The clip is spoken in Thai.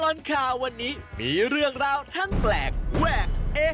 ตลอดข่าววันนี้มีเรื่องราวทั้งแปลกแวกเอ๊